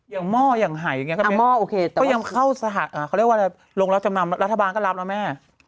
ยังเมาะอย่างไห่อย่างงี้ก็เป็นอะไรเขายังเข้าสถาธิฐรรมอ่ะเค้าเรียกว่าลิฟธ์รองรัฐจำนำรัฐบาลเล่นรับนะแม่